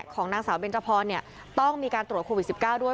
ของนางสาวเบนจพรต้องมีการตรวจโควิด๑๙ด้วย